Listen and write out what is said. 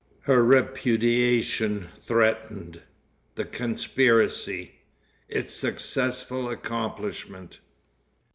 Her Repudiation Threatened. The Conspiracy. Its Successful Accomplishment.